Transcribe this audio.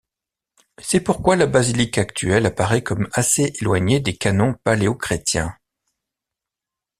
C'est pourquoi la basilique actuelle apparaît comme assez éloignée des canons paléochrétiens.